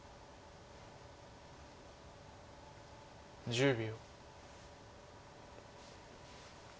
１０秒。